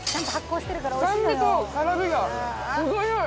酸味と辛みが程良い！